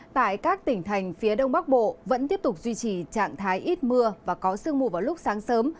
tại các tỉnh thành phía đông bắc bộ vẫn tiếp tục duy trì trạng thái ít mưa và có sương mù vào lúc sáng sớm